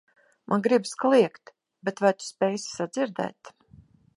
... man gribas kliegt, bet vai tu spēsi sadzirdēt...